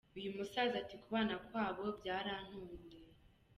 Uyu musaza ati Kubana kwabo byarantunguye.